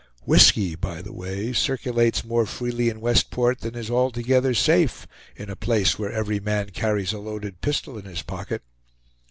Whisky by the way circulates more freely in Westport than is altogether safe in a place where every man carries a loaded pistol in his pocket.